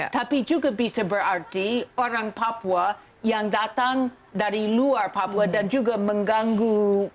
tapi juga bisa berarti orang papua yang datang dari luar papua dan juga mengganggu